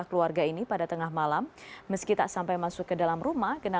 ke clog atau ilmu voor tanah